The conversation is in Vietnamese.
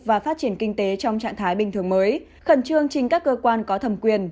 và phát triển kinh tế trong trạng thái bình thường mới khẩn trương trình các cơ quan có thẩm quyền